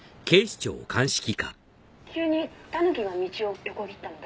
「急にタヌキが道を横切ったので」